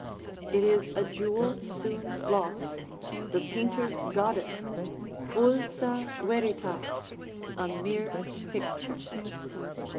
It is a jewel soon lost, the painter's goddess, fulsa veritas, a mere picture.